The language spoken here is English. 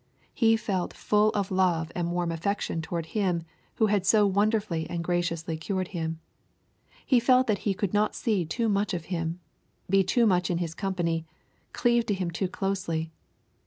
He felt full of love and warm affection toward Him, who had so wonderfully and graciously cured him. He felt that he could not see too much of Him, be too much in His company, cleave to Him too closely.